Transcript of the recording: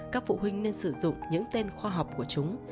các phụ huynh nên sử dụng những tên khoa học của chúng